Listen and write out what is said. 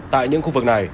tại những khu vực này